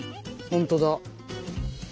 本当だ。